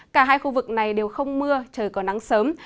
cả hai khu vực này đều không mưa trời có nắng sớm